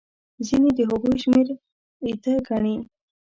ځینې د هغوی شمېر ایته ګڼي.